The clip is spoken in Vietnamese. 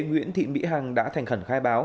nguyễn thị mỹ hằng đã thành khẩn khai báo